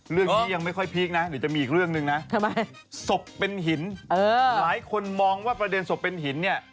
เรื่องนี้ยังไม่ค่อยพีคนะเดี๋ยวจะมีอีกเรื่องหนึ่งนะศพเป็นหินหลายคนมองว่าประเด็นศพเป็นหินเนี่ย